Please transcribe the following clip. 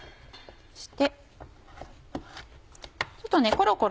そして。